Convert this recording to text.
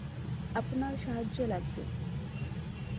আপনার সাহায্য লাগবে!